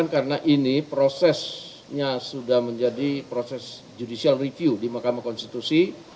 karena ini prosesnya sudah menjadi proses judicial review di mahkamah konstitusi